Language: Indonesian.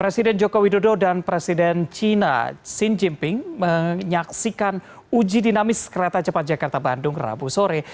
presiden joko widodo dan presiden china xi jinping menyaksikan uji dinamis kereta cepat jakarta bandung rabu sore